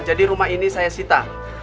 jadi rumah ini saya sita